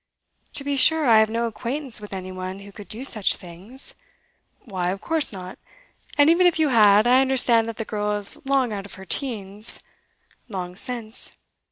'To be sure, I have no acquaintance with any one who could do such things ' 'Why, of course not. And even if you had, I understand that the girl is long out of her teens ' 'Long since.